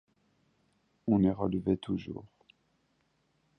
On les relevait toujours.